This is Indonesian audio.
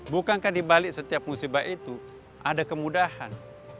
bukankah di balik setiap musibah itu ada kemudahan